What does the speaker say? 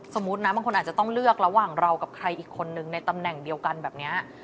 สมมุตินะบางคนอาจจะต้องเลือกระหว่างเรากับใครอีกคนนึงในตำแหน่งเดียวกันแบบนี้